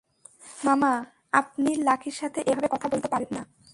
মামা, আপনি লাকির সাথে এভাবে কথা বলতে পারেন না।